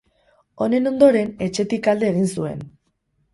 Honen ondoren, etxetik alde egin zuen.